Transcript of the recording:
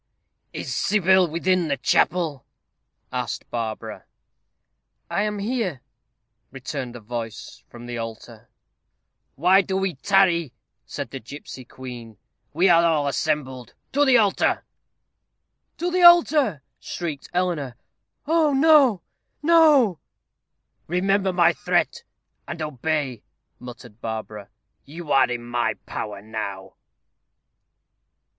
"Is Sybil within the chapel?" asked Barbara. "I am here," returned a voice from the altar. "Why do we tarry?" said the gipsy queen. "We are all assembled. To the altar." "To the altar!" shrieked Eleanor. "Oh! no no " "Remember my threat, and obey," muttered Barbara. "You are in my power now."